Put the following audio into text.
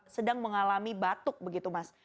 sedang mengalami batuk begitu mas